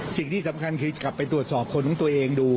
สิ่งที่สำคัญคือกลับไปตรวจสอบคนของตัวเองดู